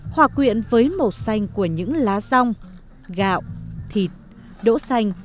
hòa quyện với màu xanh của những lá rong gạo thịt đỗ xanh